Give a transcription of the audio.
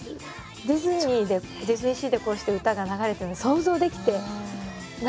ディズニーでディズニーシーでこうして歌が流れてるの想像できてないですね。